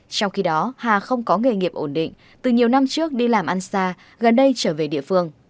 trong khi đó hà không có nghề nghiệp ổn định từ nhiều năm trước đi làm ăn xa gần đây trở về địa phương